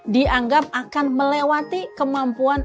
dianggap akan melewati kemampuan